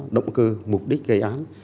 động cơ mục đích gây án